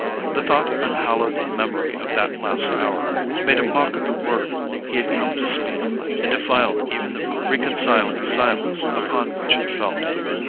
The thought unhallowed the memory of that last hour, made a mock of the word he had come to speak, and defiled even the reconciling silence upon which it fell.